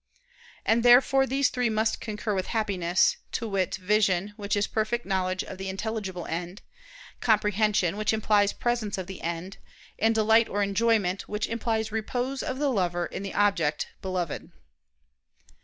And therefore these three must concur with Happiness; to wit, vision, which is perfect knowledge of the intelligible end; comprehension, which implies presence of the end; and delight or enjoyment, which implies repose of the lover in the object beloved.